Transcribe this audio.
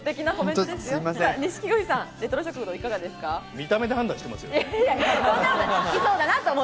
見た目で判断してますよね。